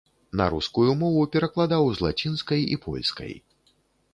На рускую мову перакладаў з лацінскай і польскай.